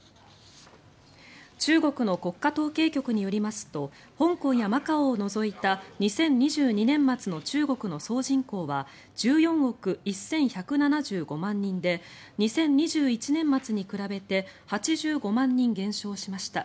中国の国家統計局によりますと香港やマカオを除いた２０２２年末の中国の総人口は１４億１１７５万人で２０２１年末に比べて８５万人減少しました。